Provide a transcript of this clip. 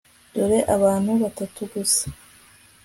dore abantu batatu gusa